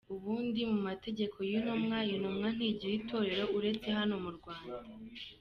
Ubundi mu mategeko y’Intumwa, Intumwa ntigira itorero uretse hano mu Rwanda.